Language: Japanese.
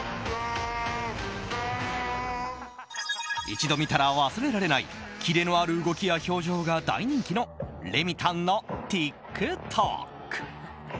一度見たら忘れられないキレのある動きや表情が大人気のレミたんのＴｉｋＴｏｋ。